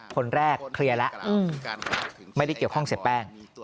คนแรกเคลียร์แล้วไม่ได้เกี่ยวข้องเสียแป้ง